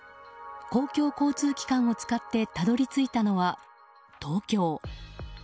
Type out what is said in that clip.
公共交通機関を使ってたどり着いたのは、東京。